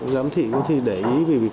giám thị có thể để ý